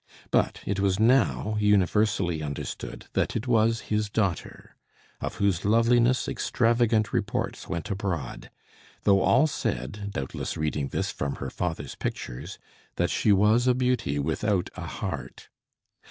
But it was now universally understood that it was his daughter, of whose loveliness extravagant reports went abroad; though all said, doubtless reading this from her father's pictures, that she was a beauty without a heart.